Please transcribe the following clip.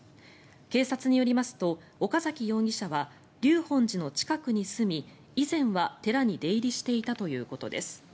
警察によりますと岡崎容疑者は立本寺の近くに住み以前は寺に出入りしていたということです。